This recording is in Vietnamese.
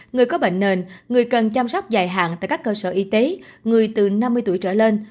người có bệnh nền người cần chăm sóc dài hạn tại các cơ sở y tế người từ năm mươi tuổi trở lên